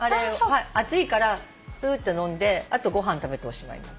暑いからすーって飲んであとご飯食べておしまい。